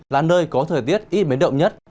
là nơi có thời tiết ít mến động nhất